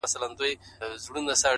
• یوه ږغ کړه چي ګوربت ظالم مرغه دی,